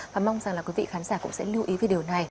và mong rằng là quý vị khán giả cũng sẽ lưu ý về điều này